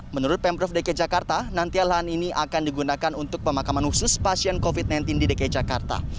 menurut pemprov dki jakarta nanti lahan ini akan digunakan untuk pemakaman khusus pasien covid sembilan belas di dki jakarta